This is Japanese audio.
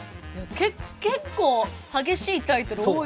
結構激しいタイトル多いですね。